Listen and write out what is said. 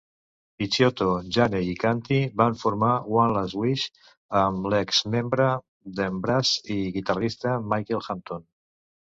Picciotto, Janney i Canty van formar One Last Wish amb l'ex-membre d'Embrace i guitarrista Michael Hampton.